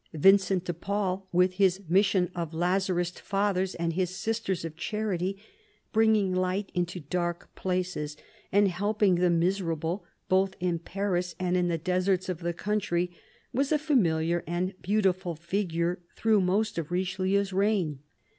Vincent de Paul, with his Mission of Lazarist ~ Fathers and his Sisters of Charity, bringing light into dark places and helping the miserable, both in Paris and in the deserts of the country, was a familiar and beautiful figure through most of Richelieu's reign.